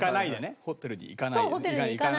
そうホテルに行かないで。